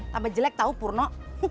tambah jelek tau purno